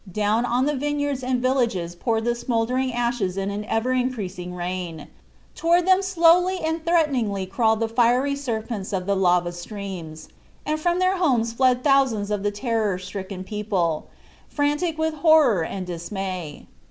Down on the vineyards and villages poured the smothering ashes in an ever increasing rain; toward them slowly and threateningly crawled the fiery serpents of the lava streams; and from their homes fled thousands of the terror stricken people, frantic with horror and dismay.